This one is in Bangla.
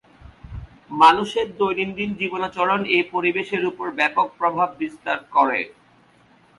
মানুষের দৈনন্দিন জীবনাচরণ এ পরিবেশের ওপর ব্যাপক প্রভাব বিস্তার করে।